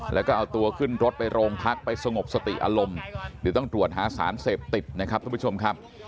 แล้วก็เอาตัวขึ้นรถไปโรงพักไปสงบสติอารมณ์เดี๋ยวต้องตรวจหาสารเสพติดนะครับทุกผู้ชมครับ